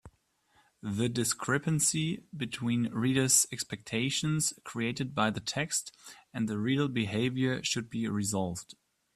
The discrepancy between reader’s expectations created by the text and the real behaviour should be resolved.